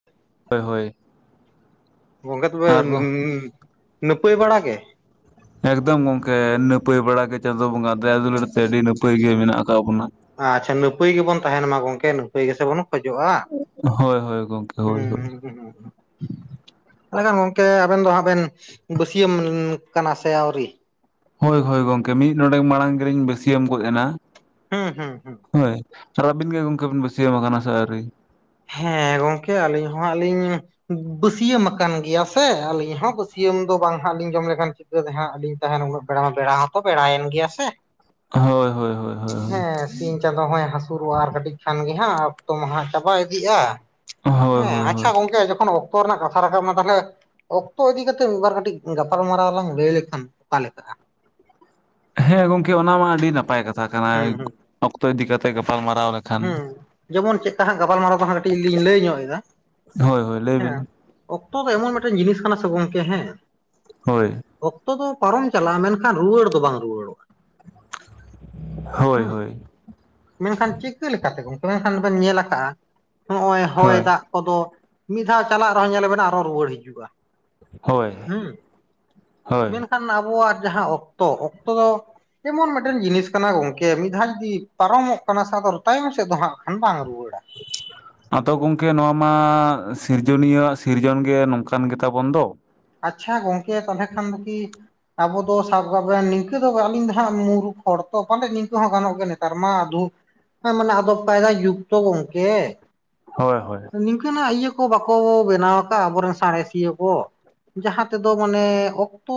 [inaudible] ᱦᱳᱭ ᱦᱳᱭ ᱜᱚᱝᱠᱮ ᱛᱚᱵᱮ ᱟᱨ ᱱᱟᱹᱯᱟᱹᱭ ᱵᱟᱲᱟ ᱜᱮ? ᱮᱠᱫᱚᱢ ᱜᱚᱝᱠᱮ ᱱᱟᱹᱯᱟᱹᱭ ᱵᱟᱲᱟ ᱜᱮ ᱪᱟᱸᱫᱳ ᱵᱚᱸᱜᱟ ᱫᱟᱭᱟ ᱫᱩᱞᱟᱹᱲ ᱛᱮ ᱟᱹᱰᱤ ᱱᱟᱹᱯᱟᱹᱭ ᱜᱮ ᱢᱮᱱᱟᱜ ᱟᱠᱟᱫ ᱵᱚᱱᱟ᱾ ᱟᱪᱪᱷᱟ ᱱᱟᱯᱟᱹᱭ ᱜᱮᱵᱚᱱ ᱛᱟᱦᱮᱱ ᱢᱟ ᱜᱚᱝᱠᱮ ᱱᱟᱹᱯᱟᱹᱭ ᱜᱮᱥᱮ ᱵᱟᱹᱱᱩᱼᱼᱼ ᱠᱷᱚᱡᱚᱜᱼᱟ ᱦᱳᱭ ᱦᱳᱭ ᱜᱚᱝᱠᱮ ᱦᱳᱭ ᱦᱳᱭ ᱦᱩᱸᱻ᱾ [unintelligible] ᱮᱱᱮ ᱠᱷᱟᱱ ᱜᱚᱝᱠᱮ ᱟᱵᱮᱱ ᱫᱚ ᱦᱟᱸᱜ ᱵᱮᱱ ᱵᱟᱹᱥᱭᱟᱹᱢ ᱠᱟᱱᱟ ᱥᱮ ᱟᱹᱣᱨᱤ? ᱦᱳᱭ ᱦᱳᱭ ᱜᱚᱝᱠᱮ ᱢᱤᱫ ᱱᱚᱬᱮ ᱢᱟᱲᱟᱝ ᱜᱮᱞᱤᱧ ᱵᱟᱹᱥᱭᱟᱹᱢ ᱜᱚᱫ ᱮᱱᱟ᱾ ᱦᱩᱸ ᱦᱩᱸ ᱦᱩᱸ ᱾ ᱦᱳᱭ ᱟᱨ ᱟᱹᱵᱤᱱ ᱜᱮ ᱜᱚᱝᱠᱮ ᱵᱤᱱ ᱵᱟᱹᱥᱭᱟᱹᱢ ᱠᱟᱱᱟ ᱥᱮ ᱟᱹᱣᱨᱤ? ᱦᱮᱸ ᱜᱚᱝᱠᱮ ᱟᱹᱞᱤᱧ ᱦᱚᱸ ᱦᱟᱸᱜ ᱞᱤᱧ ᱵᱟᱹᱥᱭᱟᱹᱢ ᱟᱠᱟᱱ ᱜᱮᱭᱟ ᱥᱮ ᱟᱹᱞᱤᱧ ᱦᱚᱸ ᱵᱟᱹᱥᱭᱟᱹᱢ ᱫᱚ ᱵᱟᱝ ᱦᱟᱸᱜ ᱡᱚᱢ ᱞᱮᱠᱷᱟᱱ [unintelligible] ᱦᱟᱸᱜ ᱞᱤᱧ ᱛᱟᱦᱮᱱᱟ ᱩᱱᱟᱹᱜ ᱵᱮᱲᱟ ᱢᱟ ᱵᱮᱲᱟ ᱦᱚᱸᱛᱚ ᱵᱮᱲᱟᱭᱮᱱ ᱜᱮᱭᱟ ᱥᱮ᱾ ᱦᱳᱭ ᱦᱳᱭ ᱦᱳᱭ ᱦᱳᱭ ᱦᱮᱸ᱾ ᱥᱤᱧ ᱪᱟᱸᱫᱳ ᱦᱚᱸᱭ ᱦᱟᱹᱥᱩᱨᱚᱜᱼᱟ ᱾ᱟᱨ ᱠᱟᱹᱴᱤᱡ ᱠᱷᱟᱱ ᱜᱮ ᱦᱟᱸᱜ ᱚᱠᱛᱚ ᱢᱟ ᱦᱟᱸᱜ ᱪᱟᱵᱟ ᱤᱫᱤᱜᱼᱟ᱾ ᱦᱳᱭ ᱦᱮᱸ ᱦᱳᱭ ᱟᱪᱪᱷᱟ ᱦᱳᱭ ᱜᱚᱝᱠᱮ ᱡᱚᱠᱷᱚᱱ ᱚᱠᱛᱚ ᱨᱮᱱᱟᱜ ᱠᱟᱛᱷᱟ ᱨᱟᱠᱟᱵ ᱱᱟ ᱛᱟᱦᱚᱞᱮ᱾ ᱚᱠᱛᱚ ᱤᱫᱤ ᱠᱟᱛᱮᱜ ᱢᱤᱫ ᱵᱟᱨ ᱠᱟᱹᱴᱤᱡ ᱜᱟᱯᱟᱞᱢᱟᱨᱟᱣ ᱞᱟᱝ ᱞᱟᱹᱭ ᱞᱮᱠᱷᱟᱱ ᱚᱠᱟ ᱞᱮᱠᱟᱜ-ᱟ? ᱦᱮᱸ ᱜᱚᱢᱠᱮ ᱚᱱᱟ ᱢᱟ ᱟᱹᱰᱤ ᱱᱟᱯᱟᱭ ᱠᱟᱛᱷᱟ ᱠᱟᱱᱟ ᱦᱩᱸ ᱚᱠᱛᱚ ᱤᱫᱤ ᱠᱟᱛᱮᱜ ᱜᱟᱯᱟᱞ ᱢᱟᱨᱟᱣ ᱨᱮ ᱦᱮᱸ ᱡᱮᱢᱚᱱ ᱪᱮᱫᱠᱟ ᱦᱟᱸᱜ ᱜᱟᱯᱟᱞ ᱢᱟᱨᱟᱣ ᱫᱚ ᱦᱟᱸᱜ ᱠᱟᱹᱴᱤᱡ ᱞᱤᱧ ᱞᱟᱹᱭ ᱧᱚᱜ ᱮᱫᱟ ᱦᱳᱭ ᱦᱳᱭ ᱞᱟᱹᱭ ᱵᱤᱱ ᱦᱮᱸ᱾ ᱚᱠᱛᱚ ᱫᱚ ᱮᱢᱚᱱ ᱢᱤᱫᱴᱮᱱ ᱡᱤᱱᱤᱥ ᱠᱟᱱᱟ ᱥᱮ ᱜᱚᱝᱠᱮ ᱦᱮᱸ᱾ ᱦᱳᱭ᱾ ᱚᱠᱛᱚ ᱫᱚ ᱯᱟᱨᱚᱢ ᱪᱟᱞᱟᱜᱼᱟ, ᱢᱮᱱᱠᱷᱟᱱ ᱨᱩᱣᱟᱹᱲ ᱫᱚ ᱵᱟᱝ ᱨᱩᱣᱟᱹᱲᱚᱜᱼᱟ᱾ ᱦᱳᱭ ᱦᱮᱸ ᱦᱳᱭ᱾ ᱢᱮᱱᱠᱷᱟᱱ ᱪᱤᱠᱟᱹ ᱞᱮᱠᱟᱛᱮ ᱜᱚᱝᱠᱮ ᱢᱮᱱᱠᱷᱟᱱ ᱵᱮᱱ ᱧᱮᱞ ᱠᱟᱜ-ᱟ, ᱱᱚᱜ-ᱚᱭ ᱦᱚᱭ ᱦᱳᱭ ᱫᱟᱜ᱾ ᱠᱚᱫᱚ ᱢᱤᱫ ᱫᱷᱟᱣ ᱪᱟᱞᱟᱜ ᱨᱮᱦᱚᱸ ᱧᱮᱞ ᱱᱟᱵᱮᱱ ᱟᱨᱚ ᱨᱩᱣᱟᱹᱲ ᱦᱤᱡᱩᱜᱼᱟ᱾ ᱦᱳᱭ ᱦᱩᱸ ᱦᱳᱭ ᱢᱮᱱᱠᱷᱟᱱ ᱟᱵᱚᱣᱟᱜ ᱡᱟᱦᱟᱸ ᱚᱠᱛᱚ, ᱚᱠᱛᱚ ᱫᱚ᱾ ᱡᱮᱢᱚᱱ ᱢᱤᱫᱴᱮᱱ ᱡᱤᱱᱤᱥ ᱠᱟᱱᱟ ᱜᱚᱝᱠᱮ ᱢᱤᱫ ᱫᱷᱟᱣ ᱡᱩᱫᱤ ᱯᱟᱨᱚᱢᱚᱜ ᱠᱟᱱᱟ ᱥᱮ ᱟᱫᱚ ᱨᱩ ᱛᱟᱭᱚᱢ ᱥᱮᱫ ᱫᱚ ᱦᱟᱸᱜ ᱠᱷᱟᱱ ᱵᱟᱝ ᱨᱩᱣᱟᱹᱲᱟ᱾ [unintelligible] ᱟᱫᱚ ᱜᱚᱝᱠᱮ ᱱᱚᱶᱟ ᱢᱟ ᱥᱤᱨᱡᱚᱱᱤᱭᱟᱹ ᱣᱟᱜ ᱥᱤᱨᱡᱚᱱ ᱜᱮ ᱱᱚᱝᱠᱟᱱ ᱜᱮᱛᱟ ᱵᱚᱱ ᱫᱚ᱾ ᱟᱪᱪᱷᱟ ᱜᱚᱝᱠᱮ ᱛᱟᱞᱦᱮ ᱠᱷᱟᱱ ᱫᱚ ᱠᱤ᱾ ᱟᱵᱚ ᱫᱚ ᱥᱟᱵ ᱠᱟᱵᱮᱱ ᱱᱤᱝᱠᱟᱹ ᱫᱚ ᱟᱹᱞᱤᱧ ᱫᱚ ᱦᱟᱸᱜ ᱢᱩᱨᱩᱠᱷ ᱦᱚᱲ ᱛᱚ ᱯᱟᱞᱮᱫ ᱱᱤᱝᱠᱟᱹ ᱦᱚᱸ ᱜᱟᱱᱚᱜ ᱜᱮᱭᱟ ᱱᱮᱛᱟᱨ ᱢᱟ ᱫᱷᱩ ᱦᱮᱸ ᱢᱟᱱᱮ ᱟᱫᱚ ᱯᱟᱭᱫᱟ ᱡᱩᱜᱽ ᱛᱚ ᱜᱚᱝᱠᱮ᱾ ᱦᱳᱭ ᱦᱳᱭ᱾ ᱱᱤᱝᱠᱟᱹᱱᱟᱜ ᱤᱭᱟᱹ ᱠᱚ ᱵᱟᱠᱚ ᱵᱮᱱᱟᱣ ᱠᱟᱫᱼᱟ, ᱟᱵᱚᱨᱮᱱ ᱥᱟᱬᱮᱥᱤᱭᱟᱹ ᱠᱚ᱾ ᱡᱟᱦᱟᱸ ᱛᱮᱫᱚ ᱢᱟᱱᱮ ᱚᱠᱛᱚ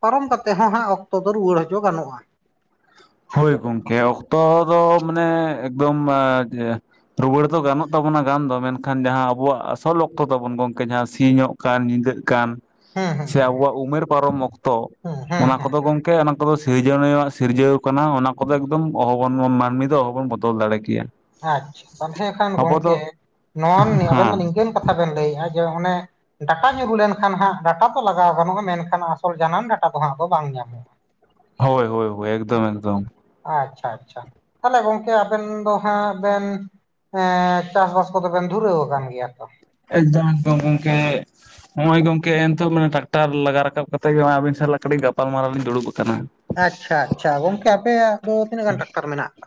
ᱯᱟᱨᱚᱢ ᱠᱟᱛᱮᱜ ᱦᱚᱸ ᱦᱟᱸᱜ ᱚᱠᱛᱚ ᱫᱚ ᱨᱩᱣᱟᱹᱲ ᱦᱚᱪᱚ ᱜᱟᱱᱚᱜᱼᱟ᱾ ᱦᱳᱭ ᱜᱚᱝᱠᱮ ᱚᱠᱛᱚ ᱫᱚ ᱢᱟᱱᱮ ᱮᱠᱫᱚᱢ ᱡᱮ᱾ ᱨᱩᱣᱟᱹᱲ ᱫᱚ ᱜᱟᱱᱚᱜ ᱛᱟᱵᱚᱱᱟ ᱜᱟᱱ ᱫᱚ ᱢᱮᱱᱠᱷᱟᱱ ᱡᱟᱦᱟᱸ ᱟᱵᱚᱣᱟᱜ ᱟᱥᱚᱞ ᱚᱠᱛᱚ ᱛᱟᱵᱚᱱ ᱜᱚᱝᱠᱮ ᱡᱟᱦᱟᱸ ᱥᱤᱧᱚᱜ᱾ ᱠᱟᱱ ᱧᱤᱫᱟᱹᱜ ᱠᱟᱱ ᱦᱮᱸ ᱦᱮᱸ ᱦᱮᱸ ᱥᱮ ᱟᱵᱚᱣᱟᱜ ᱩᱢᱮᱨ ᱯᱟᱨᱚᱢ ᱚᱠᱛᱚ ᱦᱮᱸ ᱦᱮᱸ ᱚᱱᱟ ᱠᱚᱫᱚ ᱜᱚᱝᱠᱮ ᱚᱱᱟ ᱠᱚᱫᱚ ᱥᱤᱨᱡᱚᱱᱤᱭᱟᱹ ᱣᱟᱜ ᱥᱤᱨᱡᱟᱹᱣ ᱠᱟᱱᱟ ᱚᱱᱟ ᱠᱚᱫᱚ ᱮᱠᱫᱚᱢ ᱚᱦᱚᱵ [inaudible] ᱢᱟᱹᱱᱢᱤ ᱫᱚ ᱚᱦᱚ ᱵᱚᱱ ᱵᱚᱫᱚᱞ ᱫᱟᱲᱮ ᱠᱮᱭᱟ᱾ ᱟᱪᱪᱷᱟ ᱛᱟᱞᱦᱮ ᱠᱷᱟᱱ ᱟᱵᱚ ᱫᱚ ᱜᱚᱝᱠᱮ ᱱᱚᱣᱟᱱ ᱟᱵᱮᱱ ᱫᱚ ᱦᱮᱸ ᱱᱤᱝᱠᱟᱹᱱ ᱠᱟᱛᱷᱟ ᱵᱮᱱ ᱞᱟᱹᱭᱮᱜᱼᱟ, ᱡᱮ ᱚᱱᱮ᱾ ᱰᱟᱴᱟ ᱧᱩᱨᱩ ᱞᱮᱱᱠᱷᱟᱱ ᱰᱟᱴᱟ ᱛᱚ ᱞᱟᱜᱟᱣ ᱜᱟᱱᱚᱜᱼᱟ, ᱢᱮᱱᱠᱷᱟᱱ ᱟᱥᱚᱞ ᱡᱟᱱᱟᱢ ᱰᱟᱴᱟ ᱫᱚ ᱦᱟᱸᱜ ᱟᱫᱚ ᱵᱟᱝ ᱧᱟᱢᱚᱜᱼᱟ᱾ ᱦᱳᱭ ᱦᱳᱭ ᱦᱳᱭ ᱮᱠᱫᱚᱢ ᱮᱠᱫᱚᱢ᱾ ᱟᱪᱪᱷᱟ ᱟᱪᱪᱷᱟ ᱛᱟᱦᱚᱞᱮ ᱜᱚᱝᱠᱮ ᱟᱵᱮᱱ ᱫᱚ᱾ ᱦᱟᱸᱜ ᱵᱮᱱ ᱮᱸ ᱮᱸ ᱪᱟᱥᱵᱟᱥ ᱠᱚᱫᱚ ᱵᱮᱱ ᱫᱷᱩᱨᱟᱹᱣ ᱠᱟᱱ ᱜᱮᱭᱟ ᱛᱚ᱾ ᱮᱠᱫᱚᱢ ᱠᱚᱢ ᱜᱚᱝᱠᱮ ᱾ ᱱᱚᱜ-ᱚᱭ ᱜᱚᱝᱠᱮ ᱮᱱᱛᱷᱚ ᱦᱚᱸ ᱢᱟᱱᱮ ᱴᱟᱠᱴᱟᱨ ᱞᱟᱜᱟ ᱨᱟᱠᱟᱵ ᱠᱟᱛᱮᱜ ᱜᱮ, ᱱᱚᱜ-ᱚᱭ ᱟᱵᱤᱱ ᱥᱟᱞᱟᱜ ᱠᱟᱹᱴᱤᱡ ᱜᱟᱯᱟᱞ ᱢᱟᱨᱟᱣ ᱞᱤᱧ ᱫᱩᱲᱩᱵ ᱠᱟᱱᱟ᱾ ᱟᱪᱪᱷᱟ, ᱟᱪᱪᱷᱟ ᱜᱚᱝᱠᱮ ᱟᱯᱮᱭᱟᱜ ᱫᱚ ᱛᱤᱱᱟᱹᱜ ᱜᱟᱱ ᱴᱟᱠᱴᱟᱨ ᱢᱮᱱᱟᱜ-ᱟ?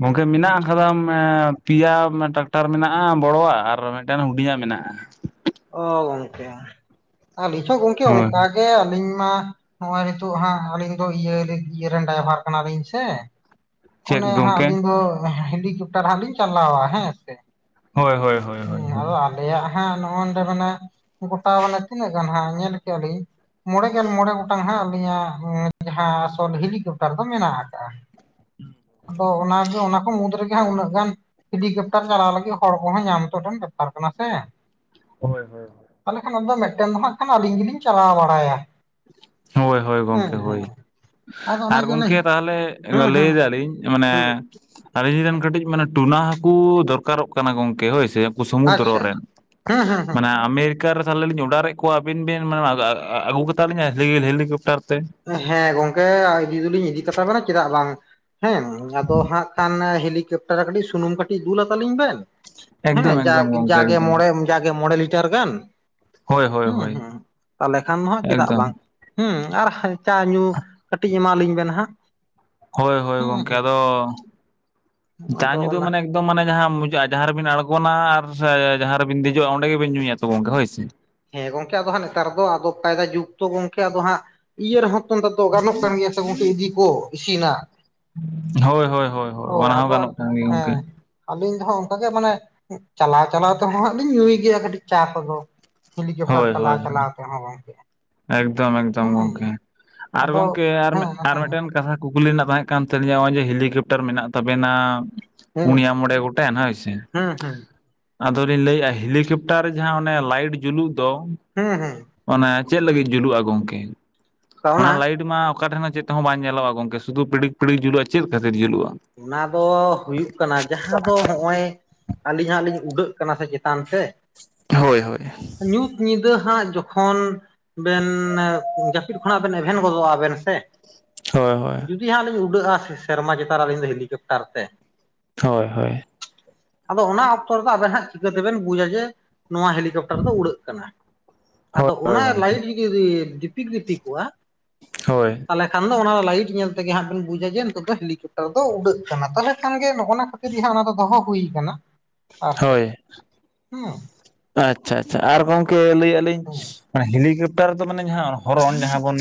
ᱜᱚᱝᱠᱮ ᱢᱮᱱᱟᱜ ᱠᱟᱫᱟᱢ ᱮᱸ ᱯᱮᱭᱟ ᱴᱟᱠᱴᱟᱨ ᱢᱮᱱᱟᱜᱼᱟ, ᱵᱚᱲᱚ ᱣᱟᱜ᱾ ᱟᱨᱚ ᱢᱤᱫᱴᱟᱝ ᱦᱩᱰᱤᱝᱟᱜ ᱢᱮᱱᱟᱜᱼᱟ᱾ ᱚ ᱜᱚᱝᱠᱮ, ᱟᱹᱞᱤᱧ ᱦᱚᱸ ᱜᱚᱝᱠᱮ ᱦᱳᱭ ᱚᱱᱠᱟ ᱜᱮ ᱟᱹᱞᱤᱧ ᱢᱟ᱾ ᱱᱚᱜ-ᱚᱭ ᱱᱤᱛᱚᱜ ᱦᱟᱸᱜ ᱟᱹᱞᱤᱧ ᱫᱚ ᱤᱭᱟᱹ ᱤᱭᱟᱹ ᱨᱮᱱ ᱰᱟᱭᱵᱷᱟᱨ ᱠᱟᱱᱟᱞᱤᱧ ᱥᱮ᱾ ᱚᱱᱮ ᱪᱮᱫ ᱦᱟᱸᱜ ᱜᱚᱝᱠᱮ ᱟᱹᱞᱤᱧ ᱫᱚ ᱦᱮᱞᱤᱠᱚᱴᱟᱨ ᱦᱟᱸᱜ ᱞᱤᱧ ᱪᱟᱞᱟᱣᱟ ᱦᱮᱸ ᱥᱮ ᱦᱳᱭ ᱦᱳᱭ ᱦᱳᱭ ᱦᱳᱭ ᱾ ᱟᱫᱚ ᱟᱞᱮᱭᱟᱜ ᱦᱟᱸᱜ ᱱᱚᱜ ᱚᱱᱰᱮ ᱢᱟᱱᱮ ᱜᱚᱴᱟ ᱢᱟᱱᱮ ᱛᱤᱱᱟᱹᱜ ᱜᱟᱱ ᱦᱟᱸᱜ ᱧᱮᱞ ᱠᱮᱜ ᱟᱞᱤᱧ ᱢᱚᱬᱮ ᱜᱮᱞ ᱢᱚᱬᱮ ᱜᱚᱴᱟᱝ ᱦᱟᱸᱜ ᱟᱹᱞᱤᱧᱟᱜ ᱡᱟᱦᱟᱸ ᱟᱥᱚᱞ ᱦᱮᱞᱤᱠᱟᱯᱴᱟᱨ ᱫᱚ ᱢᱮᱱᱟᱜ ᱟᱠᱟᱜᱼᱟ ᱾ ᱟᱫᱚ ᱚᱱᱟᱜᱮ ᱚᱱᱟ ᱠᱚ ᱢᱩᱫᱽ ᱨᱮᱜᱮ ᱦᱟᱸᱜ ᱩᱱᱟᱹᱜ ᱜᱟᱱ ᱦᱤᱞᱤᱠᱟᱯᱴᱟᱨ ᱪᱟᱞᱟᱣ ᱞᱟᱹᱜᱤᱜ ᱦᱚᱲ ᱠᱚᱦᱚᱸ ᱧᱟᱢ ᱛᱚ ᱴᱷᱮᱱ ᱫᱚᱨᱠᱟᱨ ᱠᱟᱱᱟ ᱥᱮ ᱾ ᱦᱳᱭ ᱦᱳᱭ᱾ ᱛᱟᱦᱚᱸᱞᱮ ᱠᱷᱟᱱ ᱟᱫᱚ ᱢᱤᱫᱴᱮᱱ ᱫᱚ ᱦᱟᱸᱜ ᱠᱷᱟᱱ ᱟᱞᱤᱧ ᱜᱤᱞᱤᱧ ᱪᱟᱞᱟᱣ ᱵᱟᱲᱟ ᱭᱟ ᱾ ᱦᱳᱭ ᱦᱳᱭ ᱜᱚᱝᱠᱮ ᱦᱳᱭ᱾ ᱟᱫᱚ ᱟᱨ ᱚᱱᱟᱜᱮ ᱚᱱᱟ ᱜᱚᱝᱠᱮ ᱦᱮᱸ ᱛᱟᱦᱟᱞᱮ ᱦᱮᱸ ᱞᱟᱹᱭ ᱦᱮᱸ ᱫᱟᱞᱤᱧ ᱡᱮ ᱢᱟᱱᱮ, ᱦᱮᱸ ᱟᱹᱞᱤᱧ ᱨᱮᱱ ᱠᱟᱹᱴᱤᱡ ᱢᱟᱱᱮ ᱴᱩᱱᱟ ᱦᱟᱹᱠᱩ ᱫᱚᱨᱠᱟᱨᱚᱜ ᱠᱟᱱᱟ ᱜᱚᱝᱠᱮ ᱦᱳᱭᱥᱮ ᱾ ᱥᱚᱢᱩᱫᱽᱫᱨᱚ ᱟᱪᱪᱷᱟ ᱨᱮᱱ, ᱟᱪᱪᱷᱟ ᱦᱮᱸ ᱦᱮᱸ ᱦᱮᱸ ᱢᱟᱱᱮ ᱟᱢᱮ ᱠᱟ ᱨᱮ ᱛᱟᱦᱚᱸᱞᱮ ᱞᱤᱧ ᱚᱰᱟᱨᱮᱜ ᱠᱚᱣᱟ ᱟᱹᱵᱤᱱ ᱵᱤᱱ ᱚᱱᱟ ᱟᱹᱜᱩ ᱠᱟᱛᱟ ᱞᱤᱧᱟ ᱦᱮᱞᱤᱠᱟᱯᱴᱟᱨ ᱛᱮ᱾ ᱦᱮᱸ ᱜᱚᱝᱠᱮ ᱤᱫᱤ ᱫᱚᱞᱤᱧ ᱤᱫᱤ ᱠᱟᱛᱟ ᱵᱮᱱᱟ ᱪᱮᱫᱟᱜ ᱵᱟᱝ᱾ ᱦᱮᱸ ᱟᱫᱚ ᱦᱟᱸᱜ ᱠᱷᱟᱱ ᱦᱮᱞᱤᱠᱟᱯᱴᱟᱨ ᱨᱮ ᱠᱟᱹᱴᱤᱡ ᱥᱩᱱᱩᱢ ᱠᱟᱹᱴᱤᱡ ᱫᱩᱞᱟ ᱛᱟᱞᱤᱧ ᱵᱮᱱ᱾ ᱦᱮᱸ ᱮᱠᱫᱚᱢ ᱡᱟᱜ ᱮᱠᱫᱚᱢ ᱜᱚᱝᱠᱮ ᱡᱟᱜᱮ ᱮᱠᱫᱚᱢ ᱢᱚᱬᱮ ᱡᱟᱜᱮ ᱢᱚᱬᱮ ᱞᱤᱴᱟᱨ ᱜᱟᱱ ᱦᱳᱭ ᱾ ᱦᱳᱭ ᱦᱩᱸ ᱦᱳᱭ ᱦᱩᱸ ᱛᱟᱦᱚᱸᱞᱮ ᱠᱷᱟᱱ ᱦᱚᱸ ᱪᱮᱫᱟᱜ ᱮᱠᱫᱚᱢ ᱵᱟᱝ ᱾ ᱦᱩᱸ ᱟᱨ ᱪᱟ ᱧᱩ ᱠᱟᱹᱴᱤᱡ ᱮᱢᱟ ᱟᱹᱞᱤᱧ ᱵᱮᱱ ᱦᱟᱸᱜ ᱾ ᱦᱳᱭ ᱦᱳᱭ ᱜᱚᱝᱠᱮ ᱟᱫᱚ, ᱦᱩᱸ ᱫᱟ ᱟᱫᱚ ᱧᱩᱫᱚ ᱚᱱᱟ ᱢᱟᱱᱮ ᱫᱚ ᱢᱟᱱᱮ ᱡᱟᱦᱟᱸ ᱢᱩᱡᱟᱹᱜ-ᱟ ᱡᱟᱦᱟᱸ ᱨᱮᱵᱤᱱ ᱟᱬᱜᱚᱱᱟ ᱟᱨ ᱥᱮ ᱡᱟᱦᱟᱸ ᱨᱮᱵᱮᱱ ᱫᱮᱡᱚᱜ-ᱟ ᱚᱸᱰᱮ ᱜᱮᱵᱮᱱ ᱧᱩᱭᱟ ᱛᱚ ᱜᱚᱝᱠᱮ ᱦᱳᱭ ᱥᱮ ᱾ ᱦᱮᱸ ᱜᱚᱝᱠᱮ ᱟᱫᱚ ᱦᱟᱸᱜ ᱱᱮᱛᱟᱨ ᱫᱚ ᱟᱫᱚ ᱠᱟᱭᱫᱟ ᱡᱩᱜᱽ ᱛᱚ ᱜᱚᱝᱠᱮ ᱟᱫᱚ ᱦᱟᱸᱜ ᱤᱭᱟᱹ ᱨᱮᱦᱚᱸ ᱛᱚᱱᱫᱟ ᱫᱚ ᱜᱟᱱᱚᱜ ᱠᱟᱱ ᱜᱮᱭᱟ ᱥᱮ ᱜᱚᱝᱠᱮ ᱤᱫᱤ ᱠᱚ ᱤᱥᱤᱱᱟᱜ ᱾ ᱦᱳᱭ ᱦᱳᱭ ᱦᱳᱭ ᱦᱳᱭ ᱚᱱᱟ ᱦᱚᱸ ᱜᱟᱱᱚᱜ ᱠᱟᱱ ᱜᱮᱭᱟ ᱦᱮᱸ ᱜᱚᱝᱠᱮ ᱾ ᱟᱹᱞᱤᱧ ᱫᱚ ᱦᱟᱸᱜ ᱚᱝᱠᱟ ᱜᱮ ᱢᱟᱱᱮ, ᱪᱟᱞᱟᱣ ᱪᱟᱞᱟᱣ ᱛᱮᱦᱚᱸ ᱦᱟᱸᱜ ᱞᱤᱧ ᱧᱩᱭ ᱜᱮᱭᱟ ᱠᱟᱹᱴᱤᱡ ᱪᱟ ᱠᱚᱫᱚ ᱾ ᱦᱮᱞᱤᱠᱚᱯᱴᱟᱨ ᱦᱳᱭ ᱪᱟᱞᱟᱣ ᱦᱳᱭ ᱪᱟᱞᱟᱣ ᱛᱮ ᱦᱚᱸᱜᱚᱝᱠᱮ᱾ ᱮᱠᱫᱚᱢ ᱮᱠᱫᱚᱢ ᱜᱚᱝᱠᱮ, ᱟᱨ ᱟᱫᱚ ᱜᱚᱝᱠᱮ ᱦᱮᱸ ᱦᱮᱸ ᱟᱨ ᱦᱮᱸ ᱢᱤᱫᱴᱮᱱ ᱠᱟᱛᱷᱟ ᱠᱩᱠᱞᱤ ᱨᱮᱱᱟᱜ ᱛᱟᱦᱮᱸ ᱠᱟᱱ ᱛᱟᱹᱞᱤᱧᱟ ᱱᱚᱜ-ᱚᱭ ᱡᱮ ᱦᱮᱞᱤᱠᱮᱯᱴᱟᱨ ᱢᱮᱱᱟᱜ ᱛᱟᱵᱮᱱᱟ ᱯᱩᱱᱤᱭᱟ ᱢᱚᱬᱮ ᱜᱚᱴᱮᱱ ᱦᱳᱭ ᱥᱮ- ᱦᱮᱸ ᱦᱮᱸ ᱟᱫᱚᱞᱤᱧ ᱞᱟᱹᱭᱮᱜ-ᱟ ᱦᱮᱞᱤᱠᱮᱯᱴᱟᱨ ᱡᱟᱦᱟᱸ ᱚᱱᱮ ᱞᱟᱭᱤᱴ ᱡᱩᱞᱩᱜ ᱫᱚ ᱦᱮᱸ ᱦᱮᱸ᱾ ᱚᱱᱮ ᱪᱮᱫ ᱞᱟᱹᱜᱤᱫ ᱡᱩᱞᱩᱜ-ᱟ ᱜᱚᱝᱠᱮ? ᱚᱱᱟ ᱞᱟᱭᱤᱴ ᱢᱟ ᱚᱠᱟ ᱴᱷᱮᱱ ᱦᱚᱸ ᱪᱮᱫ ᱛᱮᱦᱚᱸ ᱵᱟᱝ ᱧᱮᱞᱚᱜ-ᱟ ᱜᱚᱝᱠᱮ ᱥᱩᱫᱩ ᱯᱤᱲᱤᱡ ᱯᱤᱲᱤᱡ ᱡᱩᱞᱩᱜ-ᱟ, ᱪᱮᱫ ᱠᱷᱟᱹᱛᱤᱨ ᱡᱩᱞᱩᱜ-ᱟ? ᱚᱱᱟ ᱫᱚ ᱦᱩᱭᱩᱜ ᱠᱟᱱᱟ ᱡᱟᱦᱟᱸ ᱫᱚ ᱦᱚᱜ-ᱚᱭ ᱟᱹᱞᱤᱧ ᱦᱟᱸᱜ ᱞᱤᱧ ᱩᱰᱟᱹᱜ ᱠᱟᱱᱟ ᱥᱮ ᱪᱮᱛᱟᱱ ᱥᱮ ᱦᱳᱭ ᱦᱳᱭ᱾ ᱧᱩᱛ ᱧᱤᱫᱟᱹ ᱦᱟᱸᱜ ᱡᱚᱠᱷᱚᱱ ᱵᱮᱱ ᱡᱟᱹᱯᱤᱫ ᱠᱷᱚᱱᱟᱜ ᱵᱮᱱ ᱮᱵᱷᱮᱱ ᱜᱚᱫᱚᱜ-ᱟ ᱵᱱᱱ ᱥᱮ ᱦᱳᱭ ᱦᱳᱭ᱾ ᱡᱩᱫᱤ ᱦᱟᱸᱜ ᱞᱤᱧ ᱩᱰᱟᱹᱜ-ᱟ ᱥᱮᱨᱢᱟ ᱪᱮᱛᱟᱱ ᱨᱮ ᱟᱹᱞᱤᱧ ᱫᱚ ᱦᱮᱞᱤᱠᱟᱯᱴᱟᱨ ᱛᱮ᱾ ᱦᱳᱭ ᱦᱳᱭ᱾ ᱟᱫᱚ ᱚᱱᱟ ᱚᱠᱛᱚ ᱨᱮᱫᱚ ᱟᱵᱮᱱ ᱦᱟᱸᱜ ᱪᱤᱠᱟᱹ ᱛᱮᱵᱮᱱ ᱵᱩᱡᱟ ᱡᱮ, ᱱᱚᱣᱟ ᱦᱮᱞᱤ ᱠᱚᱯᱴᱟᱨ ᱫᱚ ᱩᱲᱟᱹᱜ ᱠᱟᱱᱟ? ᱦᱳᱭ ᱟᱫᱚ ᱦᱳᱭ ᱚᱱᱟ ᱜᱚᱝᱠᱮ ᱞᱟᱭᱤᱴ ᱡᱩᱫᱤ ᱫᱤᱯᱤᱠ ᱫᱤᱯᱤᱠᱚᱜ-ᱟ ᱦᱳᱭ ᱛᱟᱦᱟᱞᱮ ᱠᱷᱟᱱ ᱫᱚ ᱚᱱᱟ ᱫᱚ ᱞᱟᱭᱤᱴ ᱧᱮᱞ ᱛᱮᱜᱮ ᱦᱟᱸᱜ ᱵᱤᱱ ᱵᱩᱡᱟ ᱡᱮ ᱱᱤᱛᱚᱜ ᱫᱚ ᱦᱮᱞᱤᱠᱟᱯ ᱴᱟᱨ ᱫᱚ ᱩᱰᱟᱹᱜ ᱠᱟᱱᱟ᱾ ᱛᱟᱦᱟᱞᱮ ᱠᱷᱟᱱ ᱜᱮ ᱱᱚᱜ-ᱚᱱᱟ ᱠᱷᱟᱹᱛᱤᱨ ᱜᱮ ᱦᱟᱸᱜ ᱚᱱᱟ ᱫᱚᱦᱚᱸ ᱦᱩᱭ ᱠᱟᱱᱟ ᱟᱨ ᱪᱮᱫ ᱦᱳᱭ ᱦᱩᱸ᱾ ᱟᱪᱪᱷᱟ ᱟᱪᱪᱷᱟ ᱟᱨ ᱜᱚᱝᱠᱮ ᱞᱟᱹᱭᱮᱜ ᱟᱹᱞᱤᱧ ᱦᱩᱸ ᱦᱮᱞᱤᱠᱟᱯᱴᱟᱨ ᱫᱚ ᱢᱟᱱᱮ ᱡᱟᱦᱟᱸ ᱦᱚᱨᱚᱱ ᱡᱟᱦᱟᱸ ᱵᱚᱱ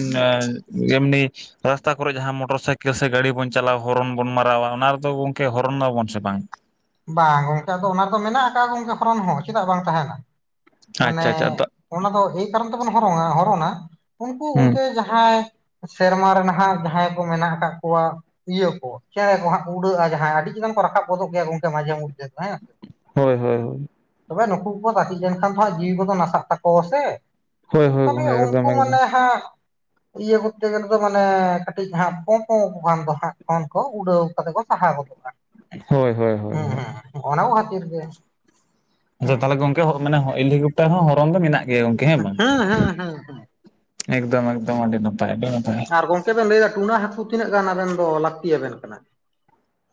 ᱮᱢᱱᱤ ᱨᱟᱥᱛᱟ ᱠᱚᱨᱮ ᱡᱟᱦᱟᱸ ᱢᱚᱴᱚᱨ ᱥᱟᱭᱠᱮᱞ ᱥᱮ ᱜᱟᱹᱰᱤ ᱵᱚᱱ ᱪᱟᱞᱟᱣ ᱦᱚᱨᱚᱱ ᱵᱚᱱ ᱢᱟᱨᱟᱣᱟ, ᱚᱱᱟ ᱨᱮᱫᱚ ᱜᱚᱝᱠᱮ ᱦᱚᱨᱚᱱ ᱱᱟᱵᱚᱱ ᱥᱮ ᱵᱟᱝ? ᱵᱟᱝ ᱜᱚᱝᱠᱮ ᱟᱫᱚ ᱚᱱᱟ ᱨᱮ ᱫᱚ ᱢᱮᱱᱟᱜ ᱟᱠᱟᱜ ᱜᱚᱝᱠᱮ ᱦᱚᱨᱚᱱ ᱦᱚᱸ ᱪᱮᱫᱟᱜ ᱵᱟᱝ ᱛᱟᱦᱮᱸᱱᱟ᱾ ᱢᱟᱱᱮ, ᱟᱪᱪᱷᱟ ᱟᱪᱪᱷᱟ ᱚᱱᱟ ᱫᱚ ᱮᱭ ᱠᱟᱨᱚᱱ ᱛᱮᱵᱚᱱ ᱦᱚᱨᱚᱝᱟ ᱦᱚᱨᱚᱱᱟ᱾ ᱩᱱᱠᱩ ᱦᱩᱸ ᱜᱚᱝᱠᱮ ᱡᱟᱦᱟᱸ ᱡᱟᱦᱟᱸᱭ ᱥᱮᱨᱢᱟ ᱨᱮ ᱱᱟᱦᱟᱸᱜ ᱡᱟᱦᱟᱸᱭ ᱠᱚ ᱢᱮᱱᱟᱜ ᱟᱠᱟᱫ ᱠᱚᱣᱟ ᱤᱭᱟᱹ ᱠᱚ ᱪᱮᱬᱮ ᱠᱚ ᱦᱟᱸᱜ ᱠᱚ ᱩᱰᱟᱹᱜᱼᱟ ᱡᱟᱦᱟᱸᱭ ᱟᱹᱰᱤ ᱪᱮᱛᱟᱱ ᱠᱚ ᱨᱟᱠᱟᱵ ᱜᱚᱫᱚᱜ ᱜᱮᱭᱟ ᱜᱚᱝᱠᱮ ᱢᱟᱡᱷᱮ ᱢᱚᱫᱽᱫᱷᱮ ᱫᱚ ᱦᱮᱸ ᱦᱳᱭ ᱦᱳᱭ ᱦᱳᱭ ᱛᱚᱵᱮ ᱱᱩᱠᱩ ᱠᱚᱠᱚ ᱛᱟᱹᱠᱤᱡ ᱞᱮᱱᱠᱷᱟᱱ ᱫᱚ ᱦᱟᱸᱜ ᱡᱤᱣᱤ ᱠᱚᱫᱚ ᱱᱟᱥᱟᱜ ᱛᱟᱠᱚᱣᱟ ᱥᱮ, ᱦᱳᱭ ᱦᱳᱭ ᱛᱚᱵᱮ ᱜᱚᱝᱠᱮ ᱩᱱᱠᱩ ᱮᱠᱫᱚᱢ ᱮᱠᱫᱚᱢ ᱢᱟᱱᱮ ᱦᱟᱸᱜ, ᱤᱭᱟᱹ ᱠᱚᱨᱛᱮ ᱜᱮᱞᱫᱚ ᱢᱟᱱᱮ ᱠᱟᱹᱴᱤᱡ ᱦᱟᱸᱜ ᱯᱚᱼᱯᱚᱝ ᱠᱚ ᱠᱷᱟᱱ ᱫᱚ ᱦᱟᱸᱜ ᱠᱷᱚᱱ ᱠᱚ ᱩᱰᱟᱹᱣ ᱠᱟᱛᱮ ᱠᱚ, ᱥᱟᱦᱟ ᱜᱚᱫᱚᱼᱟ ᱦᱳᱭ ᱦᱳᱭ ᱦᱳᱭ ᱦᱮᱸ ᱦᱳᱭ ᱦᱮᱸ ᱚᱱᱟ ᱦᱚᱸ ᱠᱷᱟᱹᱛᱤᱨ ᱜᱮ, ᱟᱪᱪᱷᱟ ᱦᱩᱸ ᱛᱟᱦᱚᱞᱮ ᱜᱚᱝᱠᱮ ᱢᱟᱱᱮ ᱦᱮᱞᱤᱠᱯᱴᱟᱨ ᱦᱚᱸ ᱦᱚᱨᱚᱱ ᱫᱚ ᱢᱮᱱᱟᱜ ᱜᱮᱭᱟ ᱜᱚᱝᱠᱮ ᱦᱮᱸ ᱵᱟᱝ? ᱦᱩᱸ ᱦᱩᱸ ᱦᱩᱸ ᱦᱩᱸ ᱮᱫᱚᱢ ᱮᱫᱚᱢ ᱟᱹᱰᱤ ᱱᱟᱯᱟᱭ ᱟᱰᱤ ᱱᱟᱯᱟᱭ, ᱟᱨ ᱜᱚᱝᱠᱮ ᱵᱮᱱ ᱞᱟᱹᱭᱫᱟ ᱴᱩᱱᱟ ᱦᱟᱹᱠᱩ ᱛᱤᱱᱟᱹᱜ ᱜᱟᱱ ᱟᱵᱮᱱ ᱫᱚ ᱞᱟᱹᱠᱛᱤ ᱭᱟᱵᱮᱱ ᱠᱟᱱᱟ?